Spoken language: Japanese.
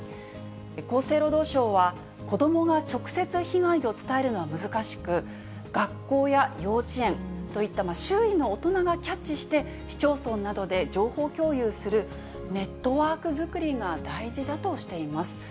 厚生労働省は、子どもが直接被害を伝えるのは難しく、学校や幼稚園といった周囲の大人がキャッチして、市町村などで情報共有するネットワーク作りが大事だとしています。